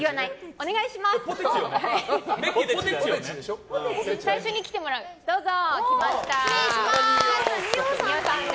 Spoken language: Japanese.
お願いします。